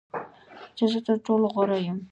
چې زه تر ټولو غوره یم .